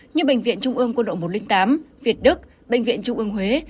như bệnh viện trung ương quân đội một trăm linh tám việt đức bệnh viện trung ương huế